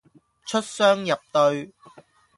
出雙入對